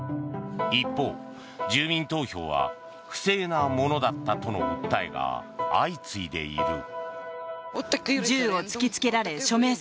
一方、住民投票は不正なものだったとの訴えが相次いでいる。